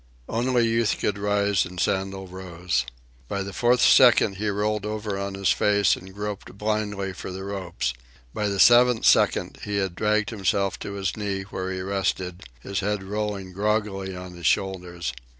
Only Youth could rise, and Sandel rose. At the fourth second he rolled over on his face and groped blindly for the ropes. By the seventh second he had dragged himself to his knee, where he rested, his head rolling groggily on his shoulders.